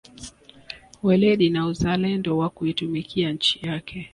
Weledi na uzalendo wa kuitumikia nchi yake